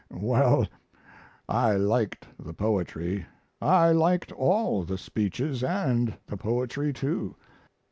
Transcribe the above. Well, I liked the poetry. I liked all the speeches and the poetry, too.